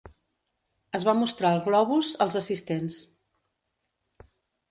Es va mostrar el globus als assistents.